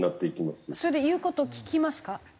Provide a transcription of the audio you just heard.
それで言う事聞きますか？